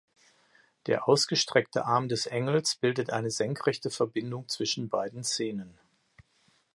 Der ausgestreckte Arm des Engels bildet eine senkrechte Verbindung zwischen beiden Szenen.